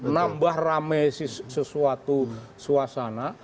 nambah rame sesuatu suasana